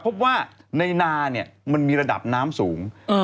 พบว่าในนาเนี่ยมันมีระดับน้ำสูง